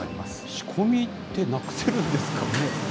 仕込みってなくせるんですか？